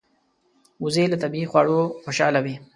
وزې له طبیعي خواړو خوشاله وي